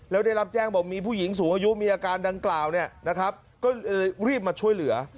แล้วได้รับแจ้งบอกมีผู้หญิงสูงอายุมีอาการดังกล่าวเนี่ยนะครับก็เลยรีบมาช่วยเหลือ